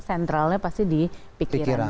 sentralnya pasti di pikiran